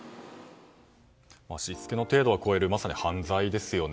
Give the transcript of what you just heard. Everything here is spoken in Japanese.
しつけの程度を超えるまさに犯罪ですよね。